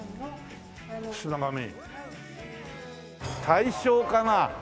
大正かな？